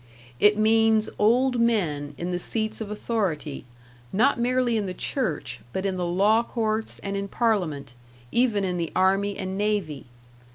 It means old men in the seats of authority, not merely in the church, but in the law courts and in Parliament, even in the army and navy.